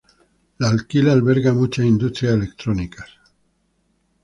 L'Aquila alberga muchas industrias electrónicas.